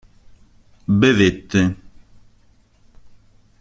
Bevette.